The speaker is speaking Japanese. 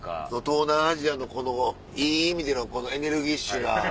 東南アジアのこのいい意味でのエネルギッシュな。